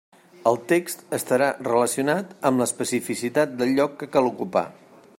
El text estarà relacionat amb l'especificitat del lloc que cal ocupar.